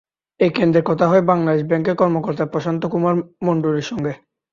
এ কেন্দ্রে কথা হয় বাংলাদেশ ব্যাংকের কর্মকর্তা প্রশান্ত কুমার মণ্ডলের সঙ্গে।